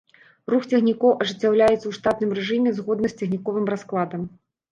Рух цягнікоў ажыццяўляецца ў штатным рэжыме згодна з цягніковым раскладам.